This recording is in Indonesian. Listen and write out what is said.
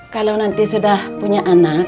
kalau nanti sudah punya anak